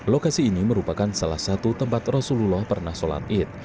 lokasi ini merupakan salah satu tempat rasulullah pernah sholat id